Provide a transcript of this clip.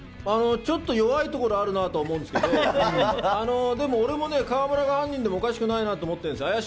ちょっと弱いところがあるなと思うんですけど、でも俺もね、河村が犯人でもおかしくないなと思ってるんです。